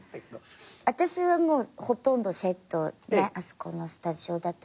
あたしはもうほとんどセットあそこのスタジオだったんですけど。